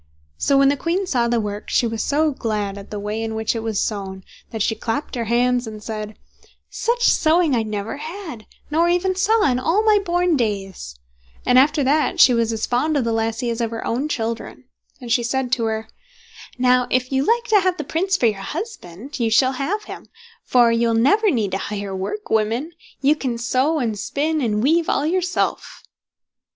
So, when the queen saw the work, she was so glad at the way in which it was sewn, that she clapped her hands, and said: "Such sewing I never had, nor even saw in all my born days"; and after that she was as fond of the lassie as of her own children; and she said to her: "Now, if you like to have the Prince for your husband, you shall have him; for you will never need to hire work women. You can sew, and spin, and weave all yourself."